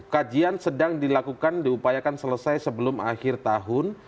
kajian sedang dilakukan diupayakan selesai sebelum akhir tahun